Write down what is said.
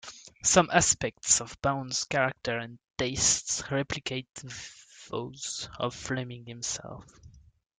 Some aspects of Bond's character and tastes replicate those of Fleming himself.